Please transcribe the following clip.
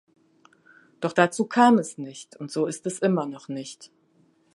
Doch dazu kam es nicht, und so ist es immer noch nicht.